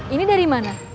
ini dari mana